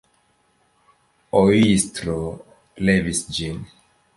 Ojstro levis ĝin.